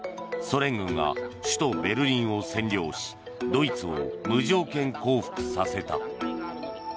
ソ連軍が首都ベルリンを占領しドイツを無条件降伏させた。